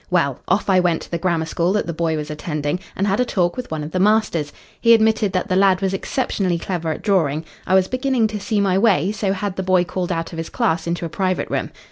Well, off I went to the grammar school that the boy was attending, and had a talk with one of the masters. He admitted that the lad was exceptionally clever at drawing. I was beginning to see my way, so had the boy called out of his class into a private room.